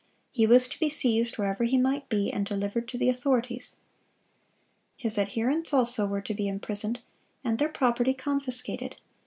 He was to be seized wherever he might be, and delivered to the authorities. His adherents also were to be imprisoned, and their property confiscated.